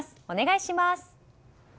お願いします。